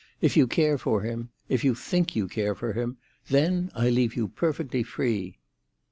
If you care for him—if you think you care for him—then I leave you perfectly free."